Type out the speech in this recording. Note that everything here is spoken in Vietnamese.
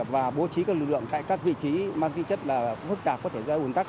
và bố trí các lực lượng tại các vị trí mang kinh chất là phức tạp có thể ra ủn tắc